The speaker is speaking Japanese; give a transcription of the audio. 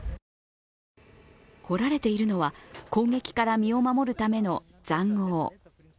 掘られているのは攻撃から身を守るための塹壕。